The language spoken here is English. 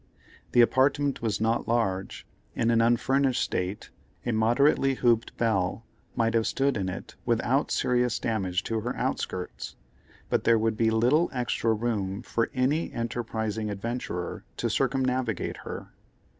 The apartment was not large; in an unfurnished state, a moderately hooped belle might have stood in it without serious damage to her outskirts, but there would be little extra room for any enterprising adventurer to circumnavigate her.